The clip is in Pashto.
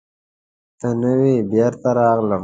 ته نه وې، بېرته راغلم.